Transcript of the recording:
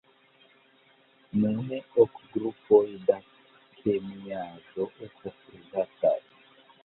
Nune ok grupoj da kemiaĵo estas uzataj.